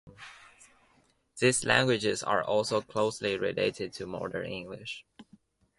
These languages are also closely related to Modern English.